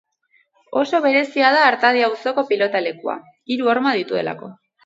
Oso berezia da Artadi auzoko pilotalekua, hiru horma dituelako.